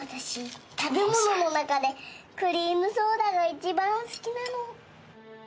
私食べ物の中でクリームソーダが一番好きなの。